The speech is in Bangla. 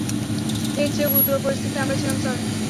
এর চেয়েও গুরুতর পরিস্থিতে আমরা ছিলাম, স্যার!